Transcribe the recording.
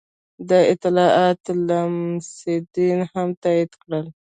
دا اطلاعات لمسډن هم تایید کړل.